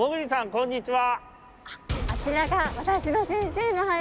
こんにちは。